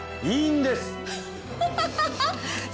いいんです！